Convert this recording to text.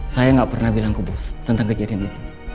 saya nggak pernah bilang ke bos tentang kejadian itu